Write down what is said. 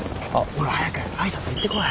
ほら早く挨拶行ってこい。